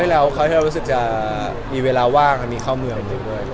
ใช่แนวแคลชื่อเรารู้สึกจะมีเวลาว่างและมีเข้าเมืองด้วย